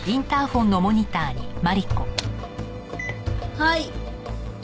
はい。